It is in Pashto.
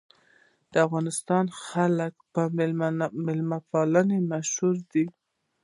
د افغانستان خلک په میلمه پالنې مشهور دي.